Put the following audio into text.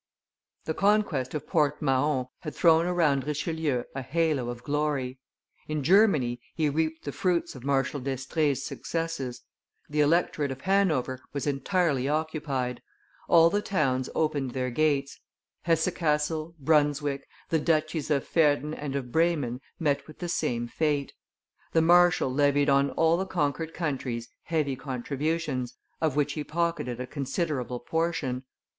The conquest of Port Mahon had thrown around Richelieu a halo of glory; in Germany, he reaped the fruits of Marshal d'Estrees' successes; the Electorate of Hanover was entirely occupied; all the towns opened their gates; Hesse Cassel, Brunswick, the duchies of Verden and of Bremen met with the same fate. The marshal levied on all the conquered countries heavy contributions, of which he pocketed a considerable portion.